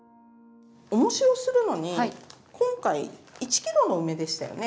おもしをするのに今回１ｋｇの梅でしたよね。